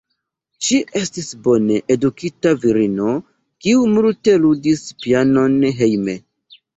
Ŝi estis bone edukita virino, kiu multe ludis pianon hejme.